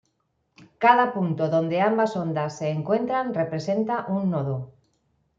Cada punto donde ambas ondas se encuentran representa un nodo.